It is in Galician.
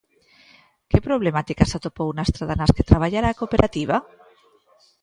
Que problemáticas atopou na Estrada nas que traballará a cooperativa?